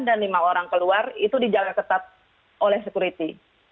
dan lima orang keluar itu dijalankan oleh security